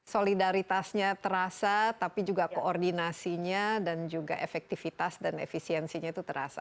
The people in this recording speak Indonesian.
solidaritasnya terasa tapi juga koordinasinya dan juga efektivitas dan efisiensinya itu terasa